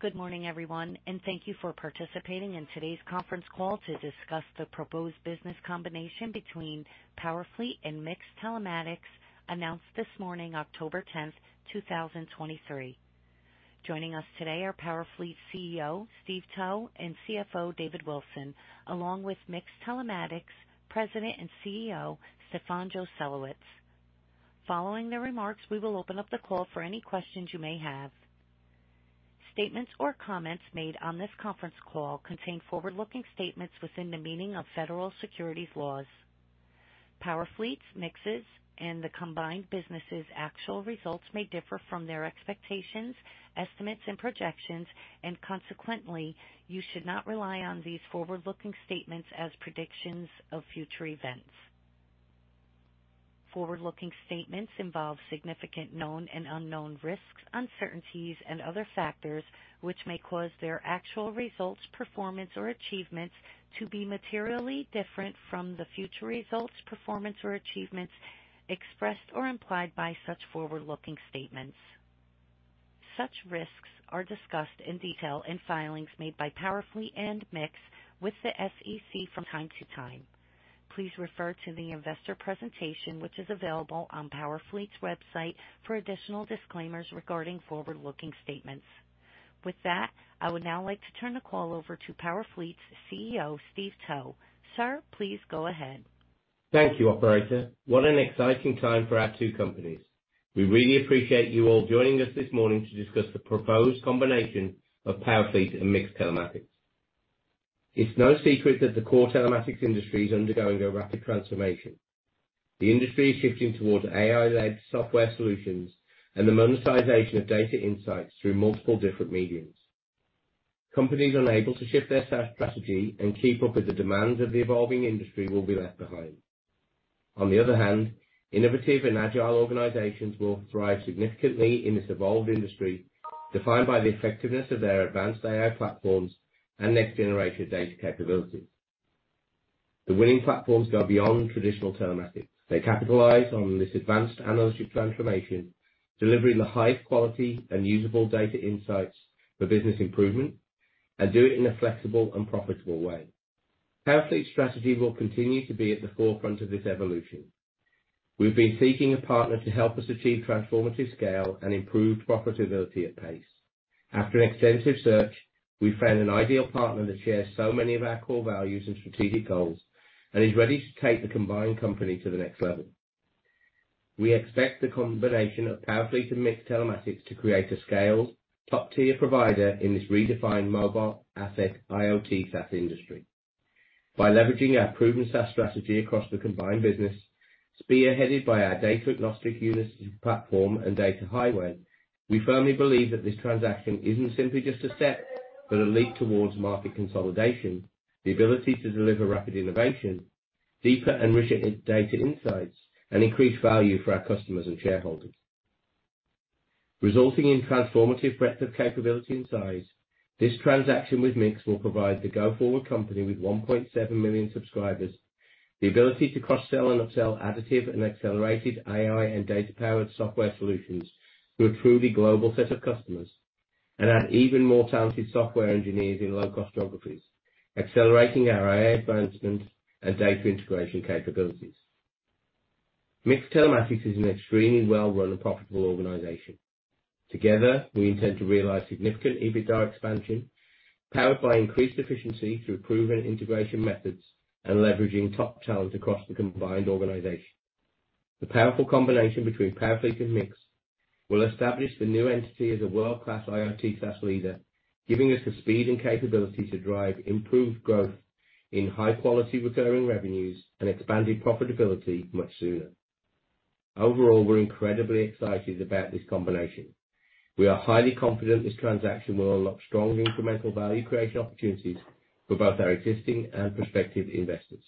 Good morning, everyone, and thank you for participating in today's conference call to discuss the proposed business combination between Powerfleet and MiX Telematics, announced this morning, October 10, 2023. Joining us today are Powerfleet CEO Steve Towe and CFO David Wilson, along with MiX Telematics President and CEO Stefan Joselowitz. Following the remarks, we will open up the call for any questions you may have. Statements or comments made on this conference call contain forward-looking statements within the meaning of federal securities laws. Powerfleet's, MiX's, and the combined businesses' actual results may differ from their expectations, estimates and projections, and consequently, you should not rely on these forward-looking statements as predictions of future events. Forward-looking statements involve significant known and unknown risks, uncertainties, and other factors, which may cause their actual results, performance, or achievements to be materially different from the future results, performance, or achievements expressed or implied by such forward-looking statements. Such risks are discussed in detail in filings made by Powerfleet and MiX with the SEC from time to time. Please refer to the investor presentation, which is available on Powerfleet's website, for additional disclaimers regarding forward-looking statements. With that, I would now like to turn the call over to Powerfleet's CEO, Steve Towe. Sir, please go ahead. Thank you, operator. What an exciting time for our two companies! We really appreciate you all joining us this morning to discuss the proposed combination of Powerfleet and MiX Telematics. It's no secret that the core telematics industry is undergoing a rapid transformation. The industry is shifting towards AI-led software solutions and the monetization of data insights through multiple different mediums. Companies unable to shift their SaaS strategy and keep up with the demands of the evolving industry will be left behind. On the other hand, innovative and agile organizations will thrive significantly in this evolved industry, defined by the effectiveness of their advanced AI platforms and next-generation data capabilities. The winning platforms go beyond traditional telematics. They capitalize on this advanced analytics transformation, delivering the highest quality and usable data insights for business improvement, and do it in a flexible and profitable way. Powerfleet's strategy will continue to be at the forefront of this evolution. We've been seeking a partner to help us achieve transformative scale and improved profitability at pace. After an extensive search, we found an ideal partner that shares so many of our core values and strategic goals and is ready to take the combined company to the next level. We expect the combination of Powerfleet and MiX Telematics to create a scale, top-tier provider in this redefined mobile asset, IoT, SaaS industry. By leveraging our proven SaaS strategy across the combined business, spearheaded by our data-agnostic Unity platform and Data Highway, we firmly believe that this transaction isn't simply just a step, but a leap towards market consolidation, the ability to deliver rapid innovation, deeper and richer data insights, and increased value for our customers and shareholders. Resulting in transformative breadth of capability and size, this transaction with MiX will provide the go-forward company with 1.7 million subscribers, the ability to cross-sell and up-sell additive and accelerated AI and data-powered software solutions to a truly global set of customers, and add even more talented software engineers in low-cost geographies, accelerating our AI advancements and data integration capabilities. MiX Telematics is an extremely well-run and profitable organization. Together, we intend to realize significant EBITDA expansion, powered by increased efficiency through proven integration methods and leveraging top talent across the combined organization. The powerful combination between Powerfleet and MiX will establish the new entity as a world-class IoT SaaS leader, giving us the speed and capability to drive improved growth in high-quality recurring revenues and expanded profitability much sooner. Overall, we're incredibly excited about this combination. We are highly confident this transaction will unlock strong incremental value creation opportunities for both our existing and prospective investors.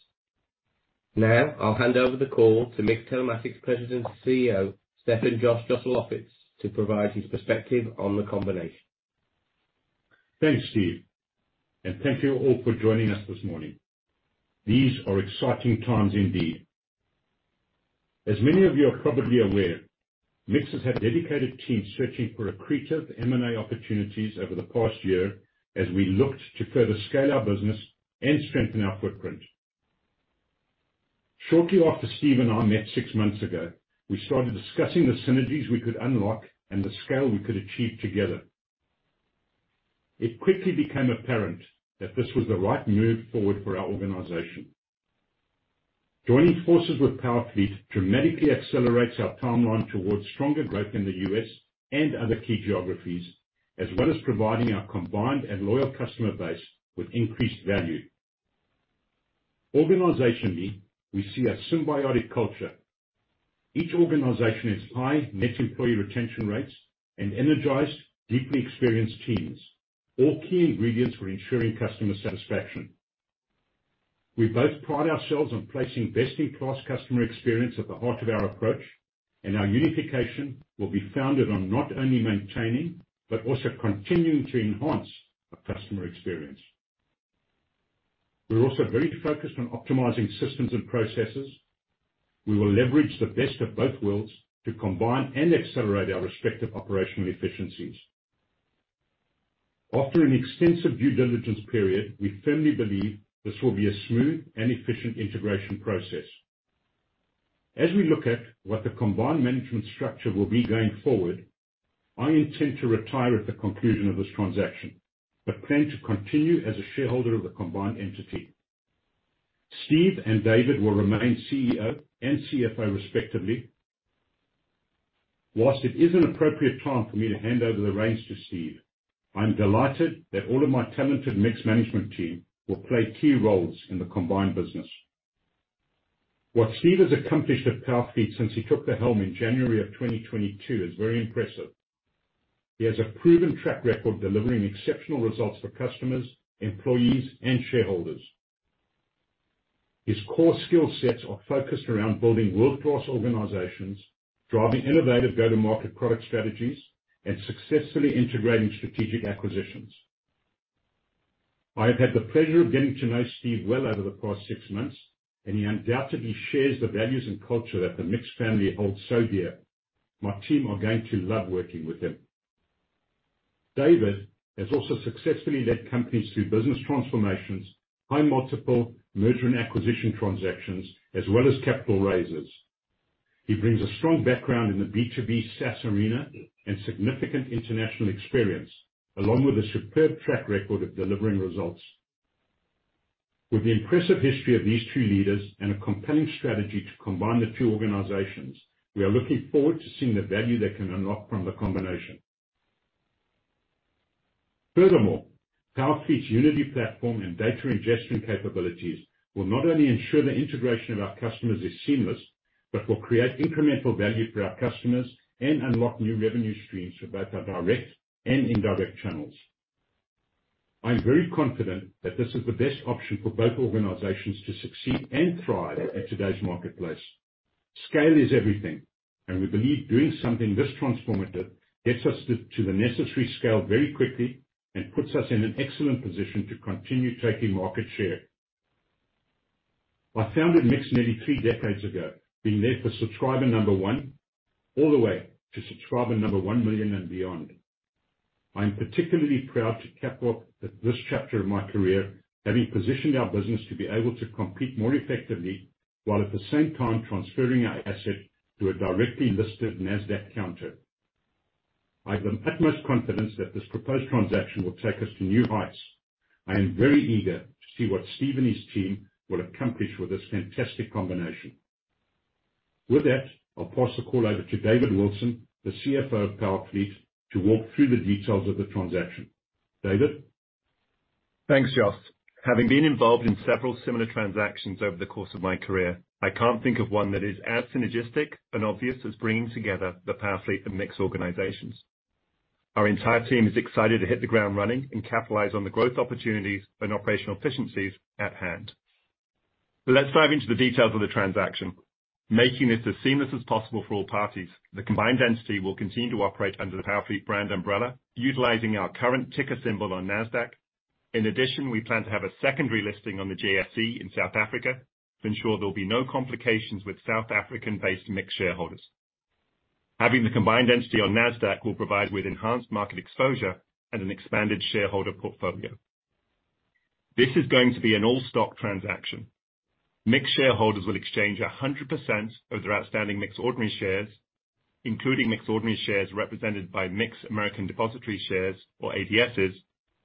Now, I'll hand over the call to MiX Telematics President and CEO, Stefan Joselowitz, to provide his perspective on the combination. Thanks, Steve, and thank you all for joining us this morning. These are exciting times indeed. As many of you are probably aware, MiX has had a dedicated team searching for accretive M&A opportunities over the past year as we looked to further scale our business and strengthen our footprint. Shortly after Steve and I met six months ago, we started discussing the synergies we could unlock and the scale we could achieve together. It quickly became apparent that this was the right move forward for our organization. Joining forces with Powerfleet dramatically accelerates our timeline towards stronger growth in the U.S. and other key geographies, as well as providing our combined and loyal customer base with increased value. Organizationally, we see a symbiotic culture. Each organization has high net employee retention rates and energized, deeply experienced teams, all key ingredients for ensuring customer satisfaction. We both pride ourselves on placing best-in-class customer experience at the heart of our approach, and our unification will be founded on not only maintaining, but also continuing to enhance the customer experience. We're also very focused on optimizing systems and processes. We will leverage the best of both worlds to combine and accelerate our respective operational efficiencies. After an extensive due diligence period, we firmly believe this will be a smooth and efficient integration process. As we look at what the combined management structure will be going forward, I intend to retire at the conclusion of this transaction, but plan to continue as a shareholder of the combined entity. Steve and David will remain CEO and CFO respectively. While it is an appropriate time for me to hand over the reins to Steve, I'm delighted that all of my talented MiX management team will play key roles in the combined business. What Steve has accomplished at Powerfleet since he took the helm in January of 2022 is very impressive. He has a proven track record delivering exceptional results for customers, employees, and shareholders. His core skill sets are focused around building world-class organizations, driving innovative go-to-market product strategies, and successfully integrating strategic acquisitions. I have had the pleasure of getting to know Steve well over the past six months, and he undoubtedly shares the values and culture that the MiX family holds so dear. My team are going to love working with him. David has also successfully led companies through business transformations, high-multiple merger and acquisition transactions, as well as capital raises. He brings a strong background in the B2B SaaS arena and significant international experience, along with a superb track record of delivering results. With the impressive history of these two leaders and a compelling strategy to combine the two organizations, we are looking forward to seeing the value they can unlock from the combination. Furthermore, Powerfleet's Unity platform and data ingestion capabilities will not only ensure the integration of our customers is seamless, but will create incremental value for our customers and unlock new revenue streams for both our direct and indirect channels. I'm very confident that this is the best option for both organizations to succeed and thrive in today's marketplace. Scale is everything, and we believe doing something this transformative gets us to the necessary scale very quickly and puts us in an excellent position to continue taking market share. I founded MiX nearly three decades ago, being there for subscriber number one all the way to subscriber number 1 million and beyond. I'm particularly proud to cap off this chapter of my career, having positioned our business to be able to compete more effectively, while at the same time transferring our asset to a directly listed Nasdaq counter. I have the utmost confidence that this proposed transaction will take us to new heights. I am very eager to see what Steve and his team will accomplish with this fantastic combination. With that, I'll pass the call over to David Wilson, the CFO of Powerfleet, to walk through the details of the transaction. David? Thanks, Jos. Having been involved in several similar transactions over the course of my career, I can't think of one that is as synergistic and obvious as bringing together the Powerfleet and MiX organizations. Our entire team is excited to hit the ground running and capitalize on the growth opportunities and operational efficiencies at hand. Let's dive into the details of the transaction. Making this as seamless as possible for all parties, the combined entity will continue to operate under the Powerfleet brand umbrella, utilizing our current ticker symbol on Nasdaq. In addition, we plan to have a secondary listing on the JSE in South Africa to ensure there will be no complications with South African-based MiX shareholders. Having the combined entity on Nasdaq will provide with enhanced market exposure and an expanded shareholder portfolio. This is going to be an all-stock transaction. MiX shareholders will exchange 100% of their outstanding MiX ordinary shares, including MiX ordinary shares represented by MiX American Depositary Shares, or ADSs,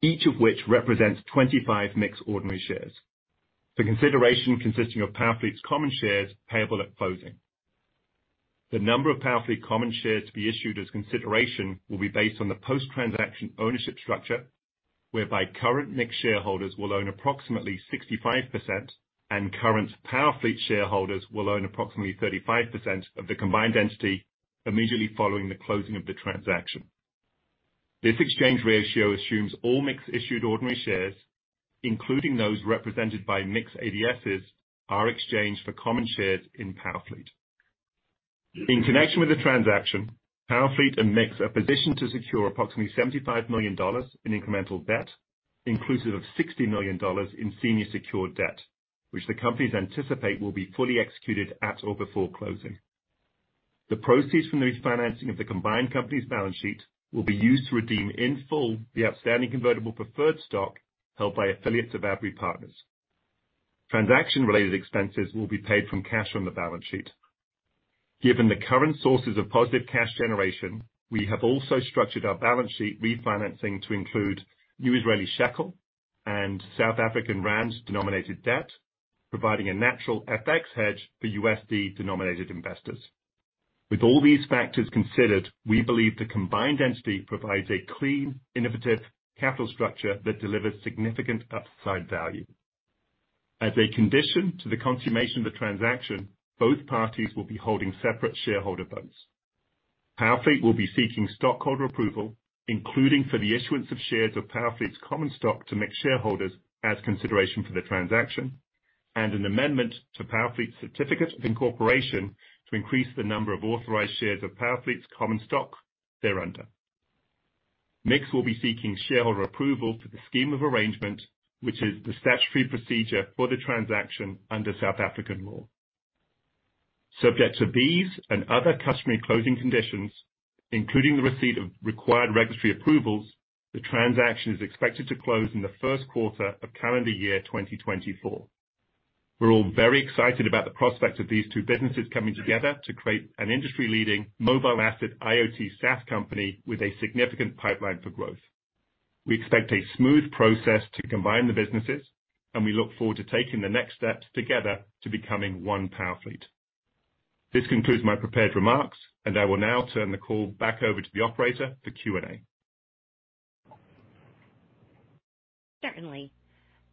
each of which represents 25 MiX ordinary shares. The consideration consisting of Powerfleet's common shares payable at closing. The number of Powerfleet common shares to be issued as consideration will be based on the post-transaction ownership structure, whereby current MiX shareholders will own approximately 65%, and current Powerfleet shareholders will own approximately 35% of the combined entity immediately following the closing of the transaction. This exchange ratio assumes all MiX-issued ordinary shares, including those represented by MiX ADSs, are exchanged for common shares in Powerfleet. In connection with the transaction, Powerfleet and MiX are positioned to secure approximately $75 million in incremental debt, inclusive of $60 million in senior secured debt, which the companies anticipate will be fully executed at or before closing. The proceeds from the refinancing of the combined company's balance sheet will be used to redeem in full the outstanding convertible preferred stock held by affiliates of Abry Partners. Transaction-related expenses will be paid from cash on the balance sheet. Given the current sources of positive cash generation, we have also structured our balance sheet refinancing to include new Israeli shekel and South African rand-denominated debt, providing a natural FX hedge for USD-denominated investors. With all these factors considered, we believe the combined entity provides a clean, innovative capital structure that delivers significant upside value. As a condition to the consummation of the transaction, both parties will be holding separate shareholder votes. Powerfleet will be seeking stockholder approval, including for the issuance of shares of Powerfleet's common stock to MiX shareholders as consideration for the transaction, and an amendment to Powerfleet's certificate of incorporation to increase the number of authorized shares of Powerfleet's common stock thereafter. MiX will be seeking shareholder approval for the scheme of arrangement, which is the statutory procedure for the transaction under South African law. Subject to these and other customary closing conditions, including the receipt of required registry approvals, the transaction is expected to close in the Q1 of calendar year 2024. We're all very excited about the prospects of these two businesses coming together to create an industry-leading mobile asset IoT SaaS company with a significant pipeline for growth. We expect a smooth process to combine the businesses, and we look forward to taking the next steps together to becoming one Powerfleet. This concludes my prepared remarks, and I will now turn the call back over to the operator for Q&A. Certainly.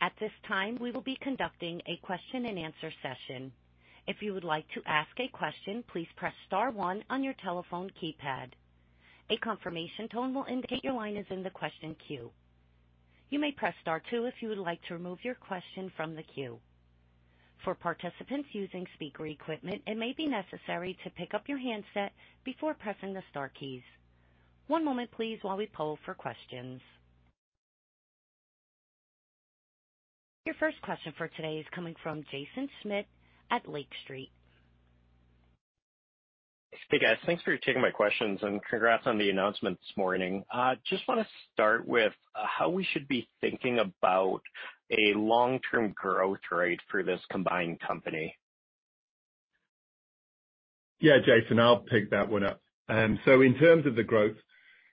At this time, we will be conducting a question-and-answer session. If you would like to ask a question, please press star one on your telephone keypad. A confirmation tone will indicate your line is in the question queue. You may press star two if you would like to remove your question from the queue. For participants using speaker equipment, it may be necessary to pick up your handset before pressing the star keys. One moment, please, while we poll for questions. Your first question for today is coming from Jaeson Schmidt at Lake Street. Hey, guys. Thanks for taking my questions, and congrats on the announcement this morning. Just want to start with, how we should be thinking about a long-term growth rate for this combined company? Yeah, Jaeson, I'll pick that one up. So in terms of the growth,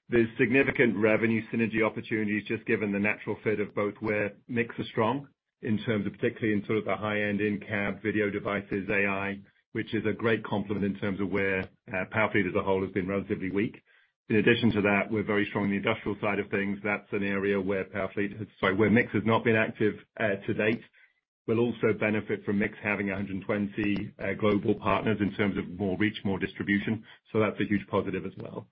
there's significant revenue synergy opportunities, just given the natural fit of both where MiX are strong in terms of, particularly in sort of the high-end in-cab video devices, AI, which is a great complement in terms of where, Powerfleet as a whole has been relatively weak. In addition to that, we're very strong on the industrial side of things. That's an area where Powerfleet, sorry, where MiX has not been active, to date. We'll also benefit from MiX having 120 global partners in terms of more reach, more distribution, so that's a huge positive as well.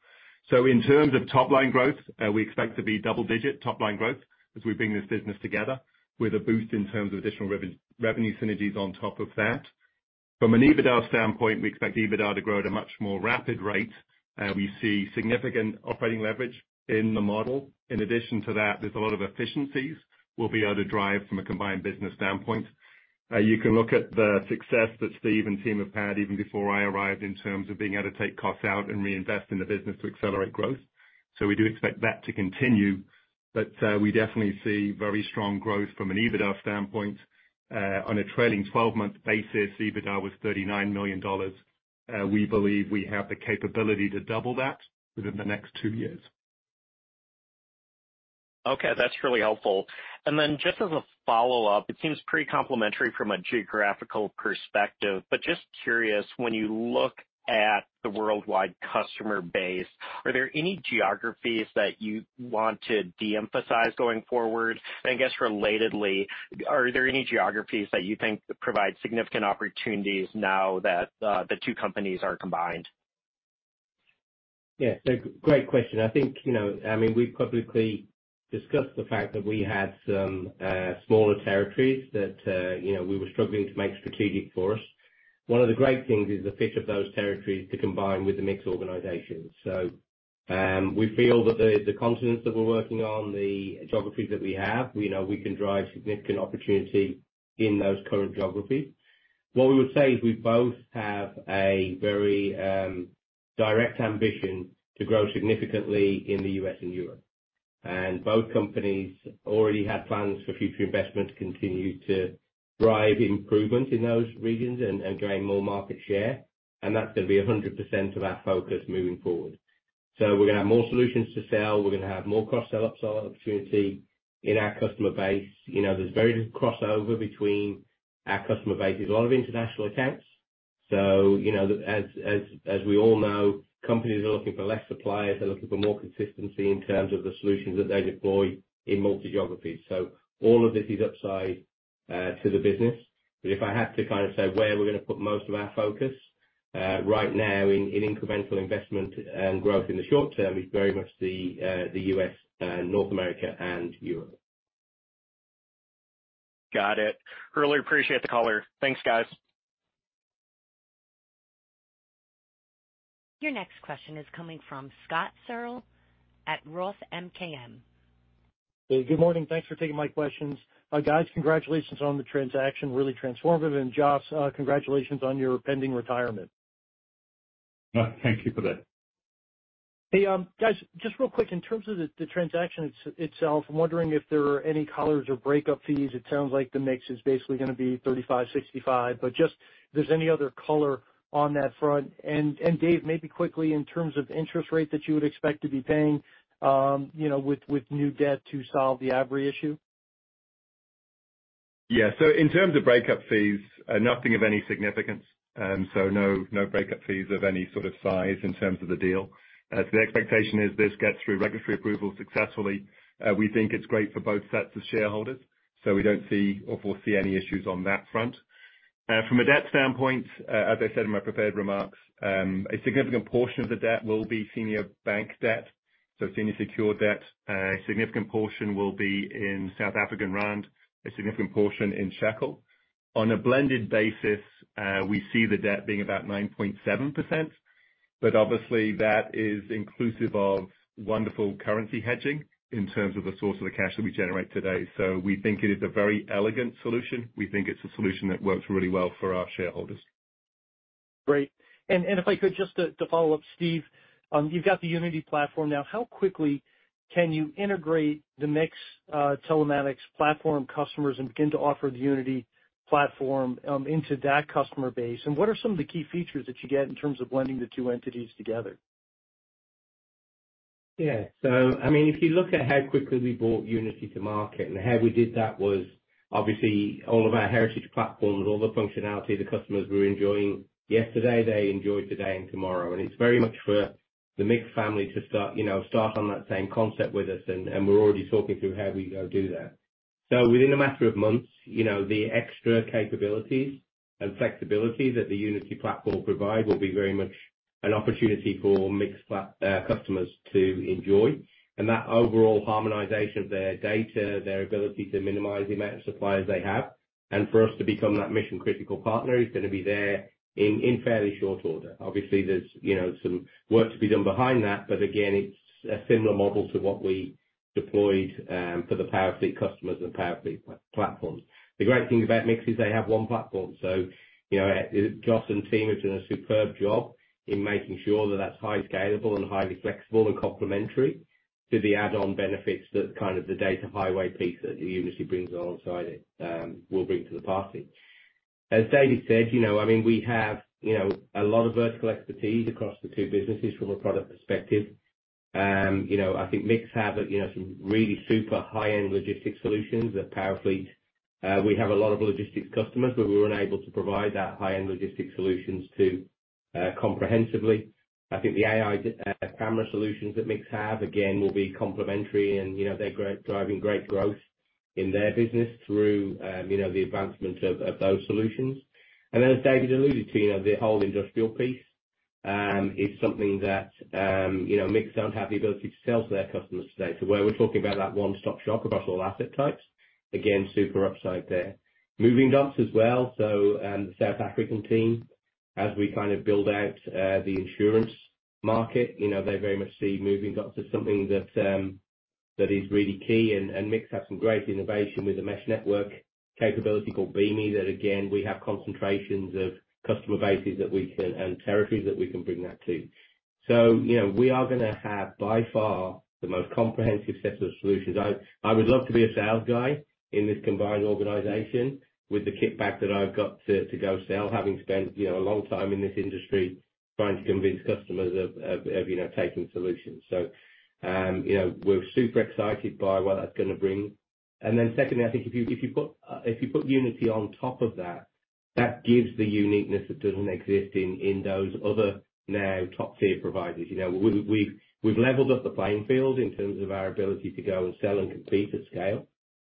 In terms of top line growth, we expect to be double digit top line growth as we bring this business together, with a boost in terms of additional revenue synergies on top of that. From an EBITDA standpoint, we expect EBITDA to grow at a much more rapid rate. We see significant operating leverage in the model. In addition to that, there's a lot of efficiencies we'll be able to drive from a combined business standpoint. You can look at the success that Steve and team have had even before I arrived, in terms of being able to take costs out and reinvest in the business to accelerate growth. We do expect that to continue, but we definitely see very strong growth from an EBITDA standpoint. On a trailing twelve-month basis, EBITDA was $39 million. We believe we have the capability to double that within the next 2 years. Okay, that's really helpful. And then just as a follow-up, it seems pretty complementary from a geographical perspective, but just curious, when you look at the worldwide customer base, are there any geographies that you want to de-emphasize going forward? And I guess relatedly, are there any geographies that you think provide significant opportunities now that the two companies are combined? Yeah, so great question. I think, you know, I mean, we've publicly discussed the fact that we had some smaller territories that, you know, we were struggling to make strategic for us. One of the great things is the fit of those territories to combine with the MiX organization. So, we feel that the, the continents that we're working on, the geographies that we have, we know we can drive significant opportunity in those current geographies. What we would say is we both have a very direct ambition to grow significantly in the U.S. and Europe, and both companies already had plans for future investment to continue to drive improvement in those regions and, and gain more market share. And that's going to be 100% of our focus moving forward. So we're gonna have more solutions to sell. We're gonna have more cross-sell opportunity in our customer base. You know, there's very little crossover between our customer base. There's a lot of international accounts, so, you know, as we all know, companies are looking for less suppliers. They're looking for more consistency in terms of the solutions that they deploy in multi geographies. So all of this is upside to the business. But if I have to kind of say where we're going to put most of our focus right now in incremental investment and growth in the short term, is very much the U.S., North America and Europe. Got it. Really appreciate the color. Thanks, guys. Your next question is coming from Scott Searle at Roth MKM. Hey, good morning. Thanks for taking my questions. Guys, congratulations on the transaction. Really transformative. Jos, congratulations on your pending retirement. Thank you for that. Hey, guys, just real quick, in terms of the transaction itself, I'm wondering if there are any collars or breakup fees. It sounds like the MiX is basically gonna be 35-65, but just if there's any other color on that front. And Dave, maybe quickly, in terms of interest rate that you would expect to be paying, you know, with new debt to solve the Abry issue? Yeah. In terms of breakup fees, nothing of any significance. No breakup fees of any sort of size in terms of the deal. The expectation is this gets through regulatory approval successfully. We think it's great for both sets of shareholders, so we don't see or foresee any issues on that front. From a debt standpoint, as I said in my prepared remarks, a significant portion of the debt will be senior bank debt, so senior secured debt. A significant portion will be in South African rand, a significant portion in shekel.... On a blended basis, we see the debt being about 9.7%, but obviously, that is inclusive of wonderful currency hedging in terms of the source of the cash that we generate today. So we think it is a very elegant solution. We think it's a solution that works really well for our shareholders. Great. If I could, just to follow up, Steve, you've got the Unity platform now. How quickly can you integrate the MiX telematics platform customers and begin to offer the Unity platform into that customer base? What are some of the key features that you get in terms of blending the two entities together? Yeah. So I mean, if you look at how quickly we brought Unity to market, and how we did that was obviously all of our heritage platforms, all the functionality the customers were enjoying yesterday, they enjoy today and tomorrow. And it's very much for the MiX family to start, you know, start on that same concept with us, and we're already talking through how we go do that. So within a matter of months, you know, the extra capabilities and flexibility that the Unity platform provide will be very much an opportunity for MiX platform customers to enjoy. And that overall harmonization of their data, their ability to minimize the amount of suppliers they have, and for us to become that mission-critical partner, is gonna be there in fairly short order. Obviously, there's, you know, some work to be done behind that. Again, it's a similar model to what we deployed for the Powerfleet customers and Powerfleet platforms. The great thing about MiX is they have one platform. You know, Jos and team have done a superb job in making sure that that's highly scalable and highly flexible and complementary to the add-on benefits, that kind of the Data Highway piece that Unity brings alongside it, will bring to the party. As David said, you know, I mean, we have, you know, a lot of vertical expertise across the two businesses from a product perspective. You know, I think MiX have, you know, some really super high-end logistics solutions. At Powerfleet, we have a lot of logistics customers who we were unable to provide that high-end logistics solutions to, comprehensively. I think the AI camera solutions that MiX have, again, will be complementary and, you know, they're driving great growth in their business through, you know, the advancement of those solutions. And then, as David alluded to, you know, the whole industrial piece is something that, you know, MiX don't have the ability to sell to their customers today. So where we're talking about that one-stop shop across all asset types, again, super upside there. Movingdots as well, so the South African team, as we kind of build out the insurance market, you know, they very much see Movingdots as something that that is really key. And MiX has some great innovation with the mesh network capability called Beame, that, again, we have concentrations of customer bases that we can... And territories that we can bring that to. So, you know, we are gonna have, by far, the most comprehensive set of solutions. I would love to be a sales guy in this combined organization with the kit bag that I've got to go sell, having spent, you know, a long time in this industry trying to convince customers of, you know, taking solutions. So, you know, we're super excited by what that's gonna bring. And then secondly, I think if you put Unity on top of that, that gives the uniqueness that doesn't exist in those other now top-tier providers. You know, we've leveled up the playing field in terms of our ability to go and sell and compete at scale.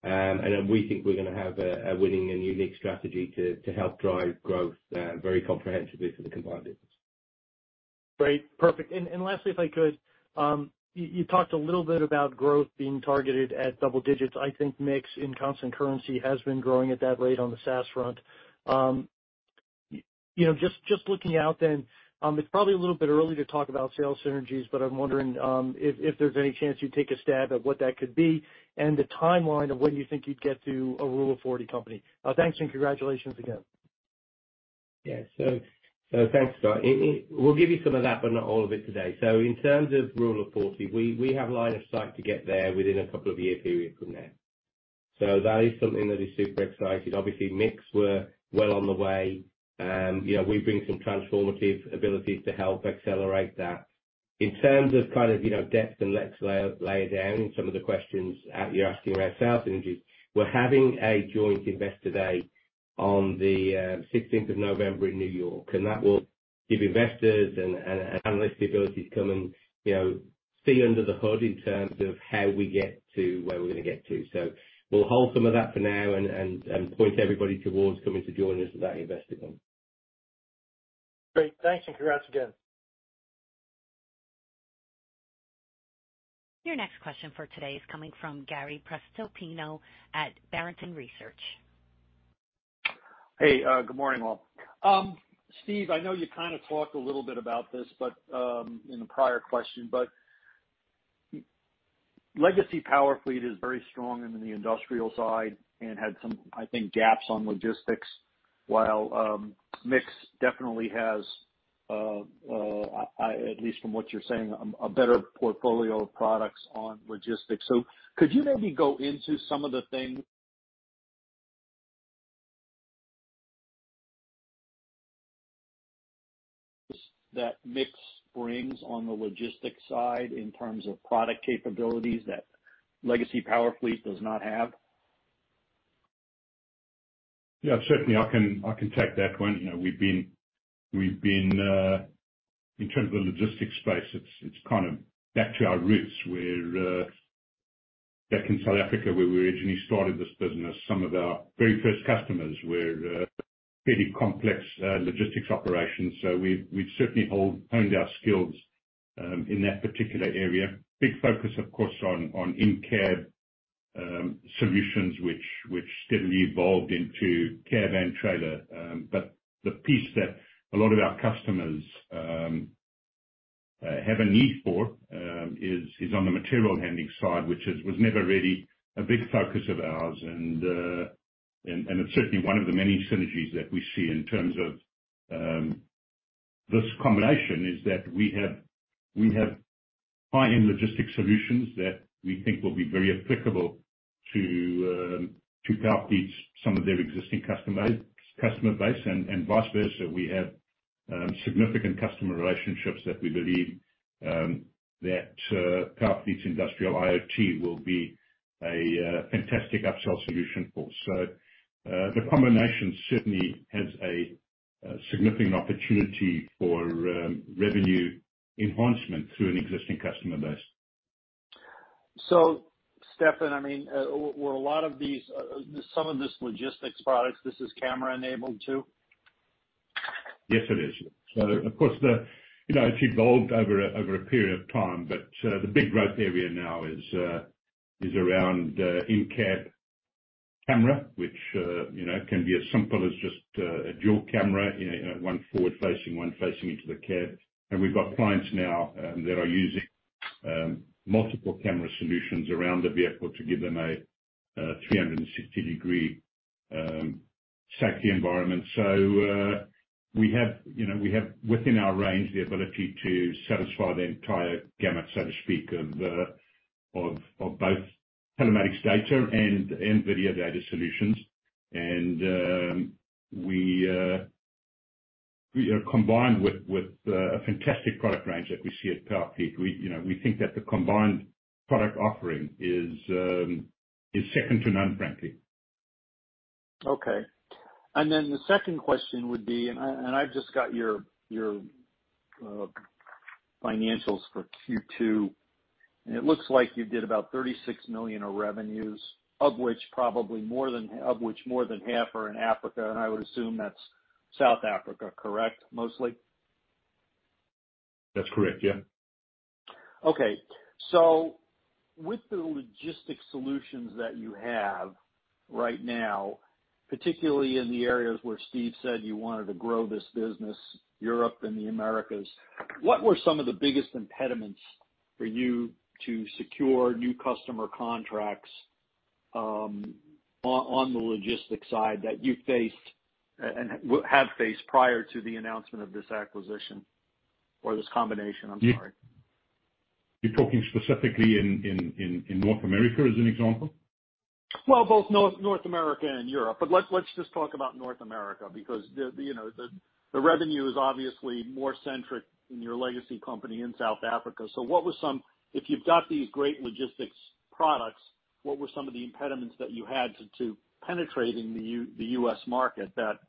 And then we think we're gonna have a winning and unique strategy to help drive growth very comprehensively for the combined business. Great. Perfect. And, and lastly, if I could, you, you talked a little bit about growth being targeted at double digits. I think MiX in constant currency has been growing at that rate on the SaaS front. You know, just, just looking out then, it's probably a little bit early to talk about sales synergies, but I'm wondering, if, if there's any chance you'd take a stab at what that could be and the timeline of when you think you'd get to a Rule of Forty company. Thanks, and congratulations again. Yeah. So thanks, Scott. It we'll give you some of that, but not all of it today. So in terms of Rule of Forty, we have line of sight to get there within a couple of year period from now. So that is something that is super exciting. Obviously, MiX were well on the way. You know, we bring some transformative abilities to help accelerate that. In terms of kind of, you know, depth and layer down in some of the questions you're asking around sales synergies, we're having a joint Investor Day on the sixteenth of November in New York, and that will give investors and analysts the ability to come and, you know, see under the hood in terms of how we get to where we're gonna get to. We'll hold some of that for now and point everybody towards coming to join us at that Investor Day. Great. Thanks, and congrats again. Your next question for today is coming from Gary Prestopino at Barrington Research. Hey, good morning, all. Steve, I know you kind of talked a little bit about this, but in the prior question, but legacy Powerfleet is very strong in the industrial side and had some, I think, gaps on logistics, while MiX definitely has, at least from what you're saying, a better portfolio of products on logistics. So could you maybe go into some of the things that MiX brings on the logistics side in terms of product capabilities that legacy Powerfleet does not have? Yeah, certainly. I can, I can take that one. You know, we've been, we've been in terms of the logistics space, it's, it's kind of back to our roots, where back in South Africa, where we originally started this business, some of our very first customers were pretty complex logistics operations. So we've, we've certainly honed our skills-... in that particular area. Big focus, of course, on in-cab solutions, which steadily evolved into cab and trailer. But the piece that a lot of our customers have a need for is on the material handling side, which was never really a big focus of ours. And it's certainly one of the many synergies that we see in terms of this combination, is that we have high-end logistics solutions that we think will be very applicable to Powerfleet's some of their existing customer base, and vice versa. We have significant customer relationships that we believe that Powerfleet industrial IoT will be a fantastic upsell solution for. The combination certainly has a significant opportunity for revenue enhancement through an existing customer base. So, Stefan, I mean, were a lot of these, some of this logistics products, this is camera-enabled too? Yes, it is. So of course, the, you know, it's evolved over a, over a period of time, but, the big growth area now is around in-cab camera, which, you know, can be as simple as just a dual camera, you know, one forward facing, one facing into the cab. And we've got clients now, that are using multiple camera solutions around the vehicle to give them a 360-degree sight environment. So, we have, you know, we have within our range, the ability to satisfy the entire gamut, so to speak, of both telematics data and video data solutions. And, we are combined with a fantastic product range that we see at Powerfleet. We, you know, we think that the combined product offering is second to none, frankly. Okay. And then the second question would be, and I, and I've just got your, your, financials for Q2, and it looks like you did about $36 million of revenues, of which probably more than, of which more than half are in Africa. And I would assume that's South Africa, correct, mostly? That's correct, yeah. Okay. So with the logistics solutions that you have right now, particularly in the areas where Steve said you wanted to grow this business, Europe and the Americas, what were some of the biggest impediments for you to secure new customer contracts, on the logistics side, that you faced and have faced prior to the announcement of this acquisition or this combination? I'm sorry. You're talking specifically in North America, as an example? Well, both North, North America and Europe, let's just talk about North America, because the, you know, the, the revenue is obviously more centric in your legacy company in South Africa. What were some... If you've got these great logistics products, what were some of the impediments that you had to, to penetrating the U.S. market that,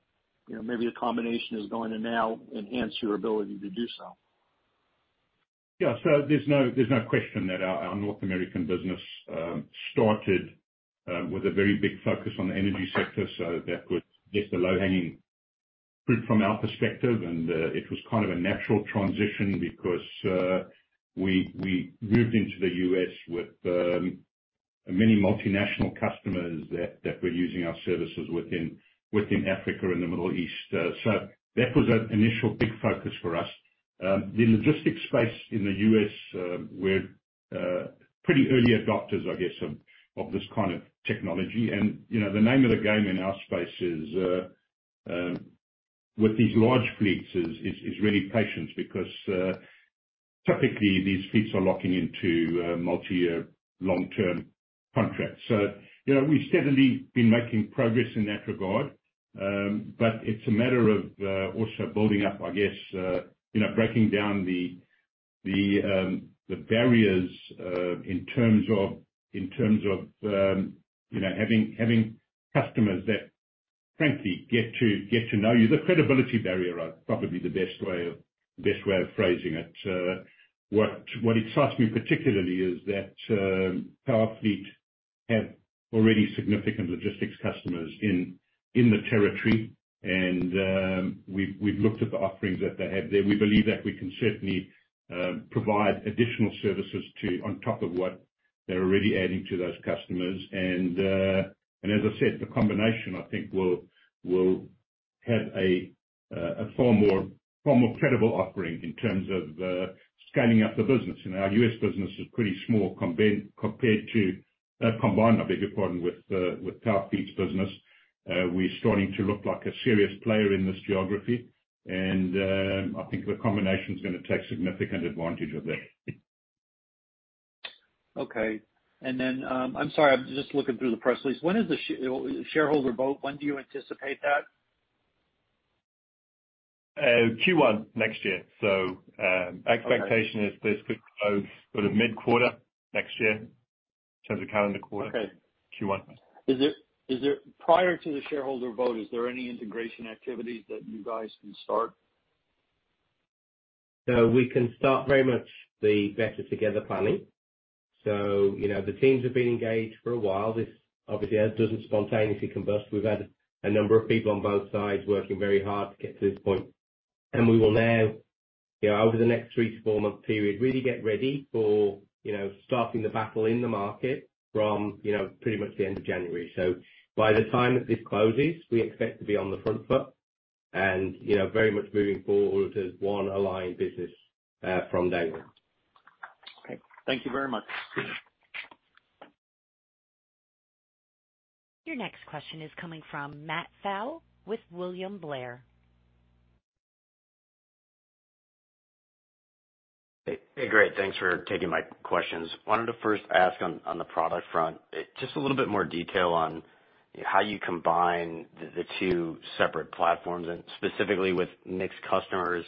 you know, maybe the combination is going to now enhance your ability to do so? Yeah. So there's no question that our North American business started with a very big focus on the energy sector. So that was just the low-hanging fruit from our perspective, and it was kind of a natural transition, because we moved into the U.S. with many multinational customers that were using our services within Africa and the Middle East. So that was an initial big focus for us. The logistics space in the U.S., we're pretty early adopters, I guess, of this kind of technology. And, you know, the name of the game in our space is with these large fleets is really patience, because typically these fleets are locking into multi-year, long-term contracts. You know, we've steadily been making progress in that regard, but it's a matter of also building up, I guess, you know, breaking down the barriers in terms of you know, having customers that, frankly, get to know you. The credibility barrier are probably the best way of phrasing it. What excites me particularly is that Powerfleet have already significant logistics customers in the territory. We've looked at the offerings that they have there. We believe that we can certainly provide additional services to on top of what they're already adding to those customers. And as I said, the combination, I think, will have a far more credible offering in terms of scaling up the business. You know, our U.S. business is pretty small compared to combined, I beg your pardon, with Powerfleet's business. We're starting to look like a serious player in this geography, and I think the combination is gonna take significant advantage of that. Okay. And then, I'm sorry, I'm just looking through the press release. When is the shareholder vote? When do you anticipate that? Q1 next year. So- Okay. Expectation is this could close sort of mid-quarter next year, in terms of calendar quarter. Okay. Q1. Prior to the shareholder vote, is there any integration activities that you guys can start? We can start very much the better together planning. So, you know, the teams have been engaged for a while. This obviously doesn't spontaneously combust. We've had a number of people on both sides working very hard to get to this point, and we will now, you know, over the next 3-4 month period, really get ready for, you know, starting the battle in the market from, you know, pretty much the end of January. So by the time that this closes, we expect to be on the front foot and, you know, very much moving forward as one aligned business from day one. Okay, thank you very much. Your next question is coming from Matt Pfau with William Blair. Hey, great. Thanks for taking my questions. Wanted to first ask on the product front, just a little bit more detail on how you combine the two separate platforms, and specifically with MiX customers,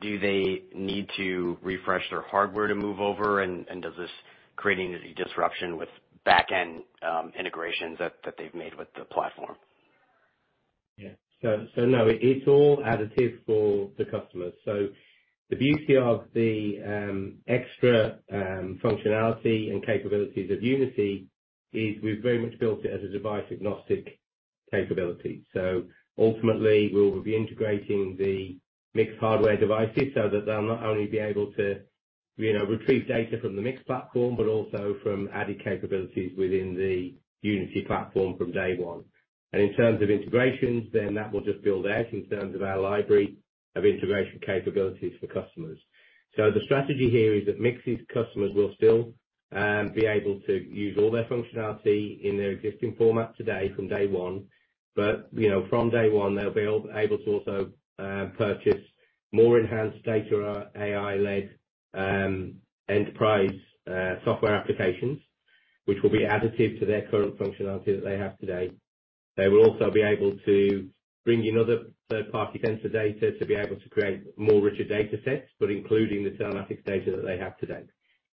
do they need to refresh their hardware to move over? And does this creating any disruption with back-end integrations that they've made with the platform? Yeah. So no, it's all additive for the customers. So the beauty of the extra functionality and capabilities of Unity is we've very much built it as a device agnostic capability. So ultimately, we'll be integrating the MiX hardware devices so that they'll not only be able to, you know, retrieve data from the MiX platform, but also from added capabilities within the Unity platform from day one. And in terms of integrations, then that will just build out in terms of our library of integration capabilities for customers. So the strategy here is that MiX's customers will still be able to use all their functionality in their existing format today from day one. But, you know, from day one, they'll be able to also purchase more enhanced data, AI-led, enterprise software applications, which will be additive to their current functionality that they have today. They will also be able to bring in other third-party sensor data to be able to create more richer datasets, but including the telematics data that they have today.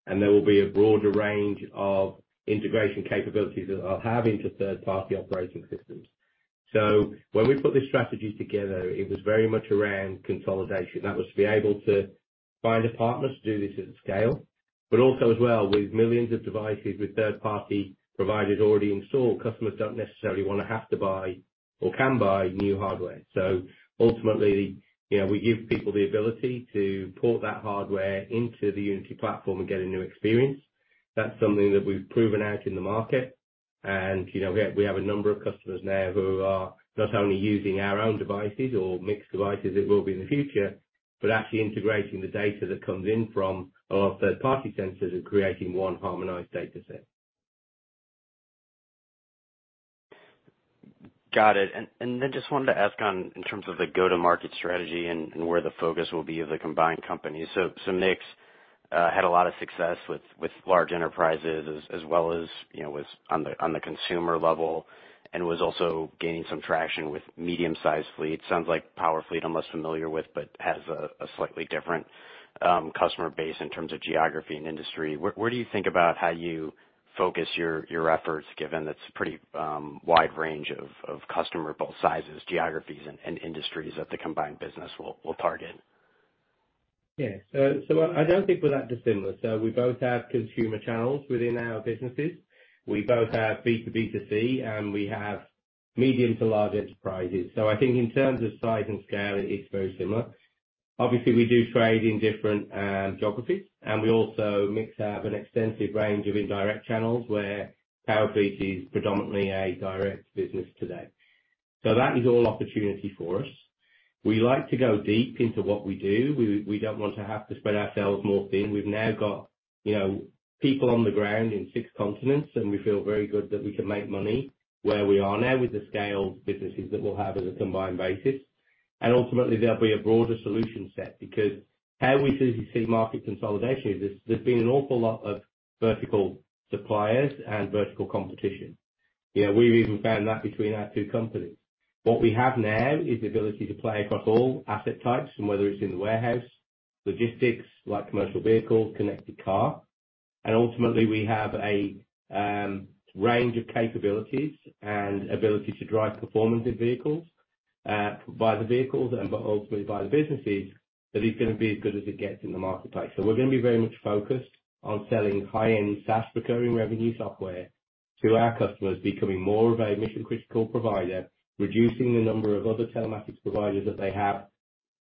And there will be a broader range of integration capabilities that they'll have into third-party operating systems. So when we put this strategy together, it was very much around consolidation. That was to be able to find a partner to do this at scale, but also as well, with millions of devices, with third-party providers already installed, customers don't necessarily want to have to buy or can buy new hardware. Ultimately, you know, we give people the ability to port that hardware into the Unity platform and get a new experience. That's something that we've proven out in the market. And, you know, we have a number of customers now who are not only using our own devices or MiX devices, it will be in the future, but actually integrating the data that comes in from our third-party sensors and creating one harmonized dataset. Got it. Then just wanted to ask on, in terms of the go-to-market strategy and where the focus will be of the combined company. So MiX had a lot of success with large enterprises as well as, you know, was on the consumer level, and was also gaining some traction with medium-sized fleets. Sounds like Powerfleet, I'm less familiar with, but has a slightly different customer base in terms of geography and industry. Where do you think about how you focus your efforts, given that's a pretty wide range of customer, both sizes, geographies and industries that the combined business will target? Yes. So I don't think we're that dissimilar. So we both have consumer channels within our businesses. We both have B to B to C, and we have medium to large enterprises. So I think in terms of size and scale, it is very similar. Obviously, we do trade in different geographies, and we also, MiX, have an extensive range of indirect channels where Powerfleet is predominantly a direct business today. So that is all opportunity for us. We like to go deep into what we do. We don't want to have to spread ourselves more thin. We've now got, you know, people on the ground in six continents, and we feel very good that we can make money where we are now with the scale of businesses that we'll have as a combined basis. Ultimately, there'll be a broader solution set, because how we see market consolidation is there's been an awful lot of vertical suppliers and vertical competition. You know, we've even found that between our two companies. What we have now is the ability to play across all asset types, and whether it's in the warehouse, logistics, like commercial vehicle, connected car. Ultimately, we have a range of capabilities and ability to drive performance in vehicles, by the vehicles and but ultimately by the businesses. That is gonna be as good as it gets in the marketplace. We're gonna be very much focused on selling high-end SaaS recurring revenue software to our customers, becoming more of a mission-critical provider, reducing the number of other telematics providers that they have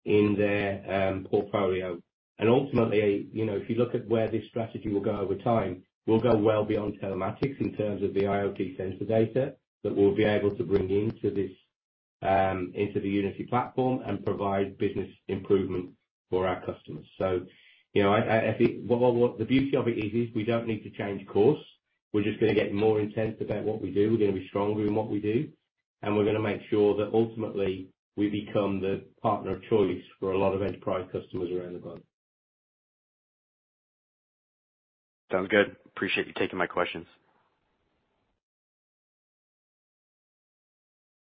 in their portfolio. Ultimately, you know, if you look at where this strategy will go over time, we'll go well beyond Telematics in terms of the IoT sensor data that we'll be able to bring into this, into the Unity platform and provide business improvement for our customers. So, you know, I think what the beauty of it is, is we don't need to change course. We're just gonna get more intense about what we do. We're gonna be stronger in what we do, and we're gonna make sure that ultimately we become the partner of choice for a lot of enterprise customers around the world. Sounds good. Appreciate you taking my questions.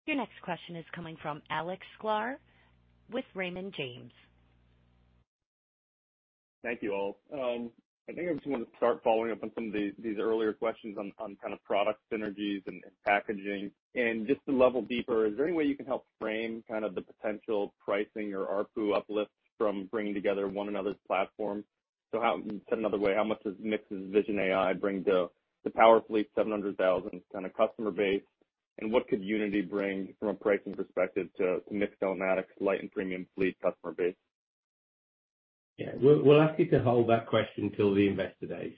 Your next question is coming from Alex Sklar with Raymond James. Thank you all. I think I just want to start following up on some of these earlier questions on kind of product synergies and packaging. Just to level deeper, is there any way you can help frame kind of the potential pricing or ARPU uplifts from bringing together one another's platform? So how... Said another way, how much does MiX's Vision AI bring to the Powerfleet 700,000 kind of customer base? And what could Unity bring from a pricing perspective to MiX Telematics light and premium fleet customer base? Yeah, we'll ask you to hold that question till the Investor Day.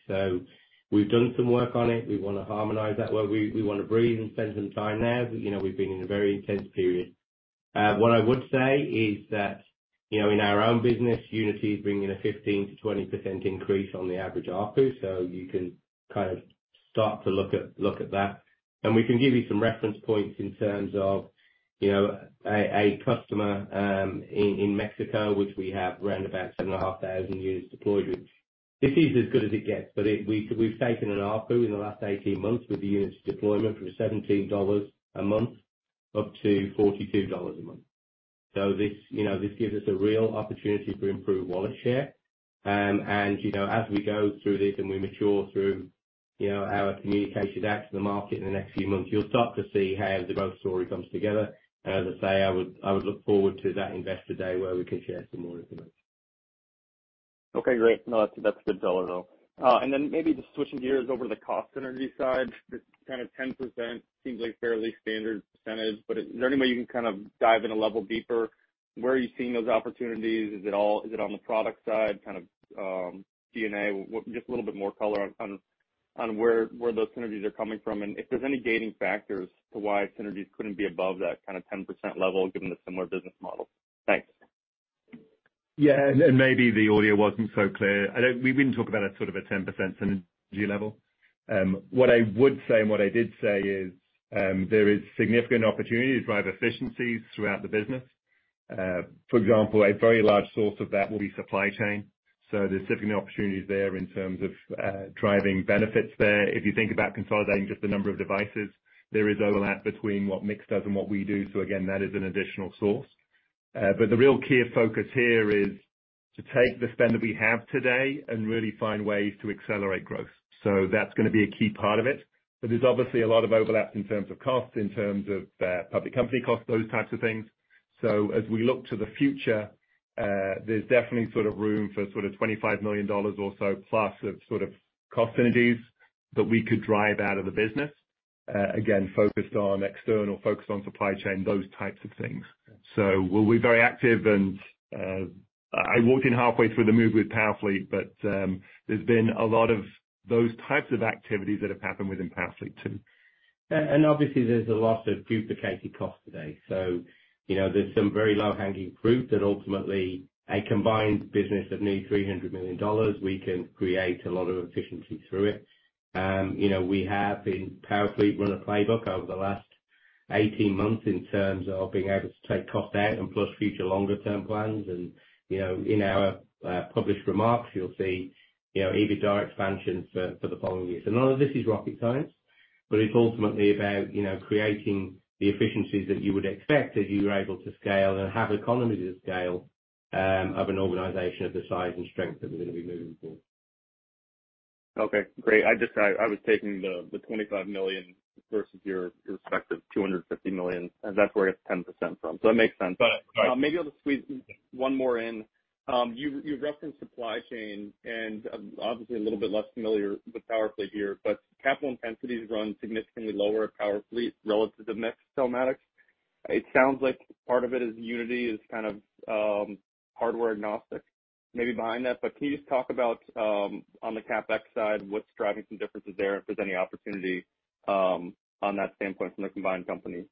We've done some work on it. We want to harmonize that, where we want to breathe and spend some time there. You know, we've been in a very intense period. What I would say is that, you know, in our own business, Unity is bringing a 15%-20% increase on the average ARPU, so you can kind of start to look at that. We can give you some reference points in terms of, you know, a customer in Mexico, which we have around about 7,500 units deployed, which this is as good as it gets. We've taken an ARPU in the last 18 months with the units deployed from $17 a month up to $42 a month. So this, you know, this gives us a real opportunity to improve wallet share. You know, as we go through this and we mature through, you know, our communication out to the market in the next few months, you'll start to see how the growth story comes together. As I say, I would, I would look forward to that Investor Day where we can share some more information. Okay, great. No, that's, that's good to know, though. And then maybe just switching gears over to the cost synergy side, just kind of 10% seems like a fairly standard percentage, but is there any way you can kind of dive in a level deeper? Where are you seeing those opportunities? Is it all- is it on the product side, kind of, R&D? Just a little bit more color on where those synergies are coming from, and if there's any gating factors to why synergies couldn't be above that kind of 10% level, given the similar business model. Thanks. Yeah, and maybe the audio wasn't so clear. We didn't talk about a sort of a 10% synergy level. What I would say, and what I did say is, there is significant opportunity to drive efficiencies throughout the business. For example, a very large source of that will be supply chain. So there's significant opportunities there in terms of, driving benefits there. If you think about consolidating just the number of devices, there is overlap between what MiX does and what we do. So again, that is an additional source. But the real key focus here is to take the spend that we have today and really find ways to accelerate growth. So that's gonna be a key part of it. But there's obviously a lot of overlap in terms of cost, in terms of, public company cost, those types of things. So as we look to the future, there's definitely sort of room for sort of $25 million or so, plus of sort of cost synergies that we could drive out of the business. Again, focused on external, focused on supply chain, those types of things. So we'll be very active, and, I walked in halfway through the move with Powerfleet, but, there's been a lot of those types of activities that have happened within Powerfleet too. Obviously there's a lot of duplicated costs today. So, you know, there's some very low-hanging fruit that ultimately a combined business of near $300 million, we can create a lot of efficiency through it. You know, we have been, Powerfleet run a playbook over the last 18 months in terms of being able to take cost out and plus future longer term plans. You know, in our published remarks, you'll see, you know, EBITDA expansion for the following years. None of this is rocket science, but it's ultimately about, you know, creating the efficiencies that you would expect as you're able to scale and have economies of scale of an organization of the size and strength that we're going to be moving forward. Okay, great. I was taking the $25 million versus your respective $250 million, and that's where I get the 10% from. So it makes sense. Right. But, maybe I'll just squeeze one more in. You've referenced supply chain, and obviously, a little bit less familiar with Powerfleet here, but capital intensities run significantly lower at Powerfleet relative to MiX Telematics. It sounds like part of it is Unity is kind of hardware agnostic, maybe behind that, but can you just talk about on the Capex side, what's driving some differences there, if there's any opportunity on that standpoint from the combined company?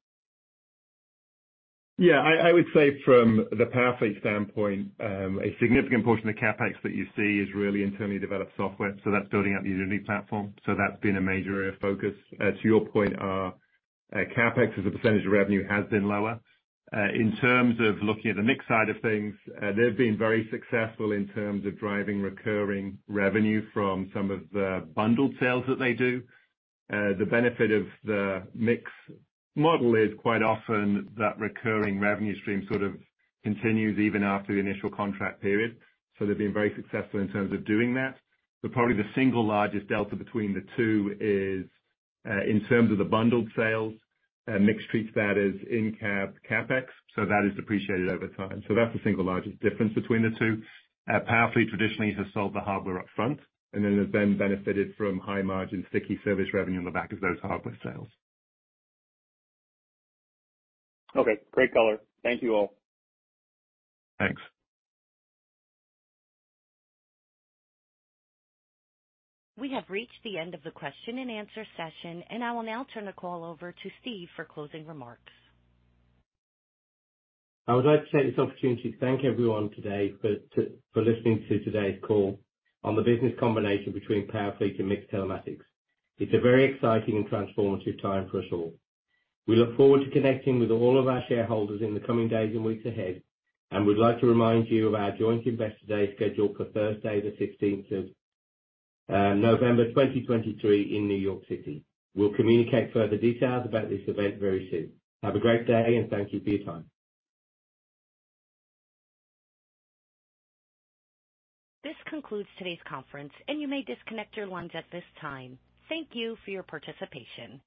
Yeah, I would say from the Powerfleet standpoint, a significant portion of Capex that you see is really internally developed software, so that's building out the Unity platform. So that's been a major area of focus. To your point, Capex, as a percentage of revenue, has been lower. In terms of looking at the MiX side of things, they've been very successful in terms of driving recurring revenue from some of the bundled sales that they do. The benefit of the MiX model is, quite often, that recurring revenue stream sort of continues even after the initial contract period. So they've been very successful in terms of doing that. But probably the single largest delta between the two is, in terms of the bundled sales, MiX treats that as in-cab Capex, so that is depreciated over time. So that's the single largest difference between the two. Powerfleet traditionally has sold the hardware up front and then has benefited from high-margin, sticky service revenue on the back of those hardware sales. Okay, great color. Thank you all. Thanks. We have reached the end of the question and answer session, and I will now turn the call over to Steve for closing remarks. I would like to take this opportunity to thank everyone today for listening to today's call on the business combination between Powerfleet and MiX Telematics. It's a very exciting and transformative time for us all. We look forward to connecting with all of our shareholders in the coming days and weeks ahead, and we'd like to remind you of our joint Investor Day, scheduled for Thursday, the fifteenth of November 2023, in New York City. We'll communicate further details about this event very soon. Have a great day, and thank you for your time. This concludes today's conference, and you may disconnect your lines at this time. Thank you for your participation.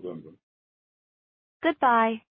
Well done. Goodbye.